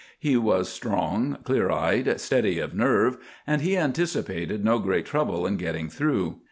He was strong, clear eyed, steady of nerve, and he anticipated no great trouble in getting through.